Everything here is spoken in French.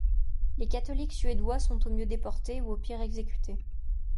Les catholiques suédois sont au mieux déportés, ou au pire exécutés.